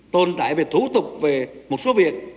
tồn tại về thủ tục về một số việc